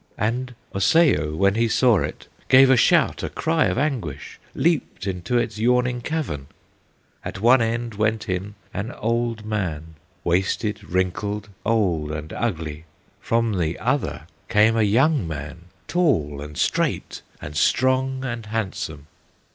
And Osseo, when he saw it, Gave a shout, a cry of anguish, Leaped into its yawning cavern, At one end went in an old man, Wasted, wrinkled, old, and ugly; From the other came a young man, Tall and straight and strong and handsome.